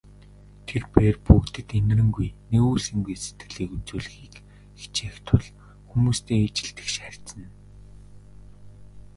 Тэр бээр бүгдэд энэрэнгүй, нигүүлсэнгүй сэтгэлийг үзүүлэхийг хичээх тул хүмүүстэй ижил тэгш харьцана.